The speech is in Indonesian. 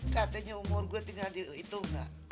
katanya umur gua tinggal dihitung gak